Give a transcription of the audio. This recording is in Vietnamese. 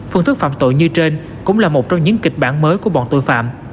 phương thức phạm tội như trên cũng là một trong những kịch bản mới của bọn tội phạm